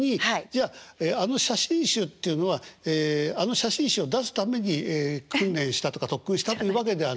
じゃあの写真集っていうのはあの写真集を出すために訓練したとか特訓したとかというわけではない。